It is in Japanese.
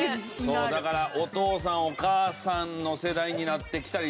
そうだからお父さんお母さんの世代になってきたりするのかな？